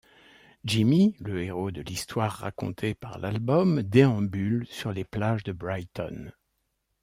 Jimmy, le héros de l'histoire racontée par l'album, déambule sur les plages de Brighton.